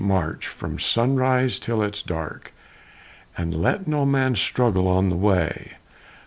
March! from sunrise till it's dark, And let no man straggle on the way!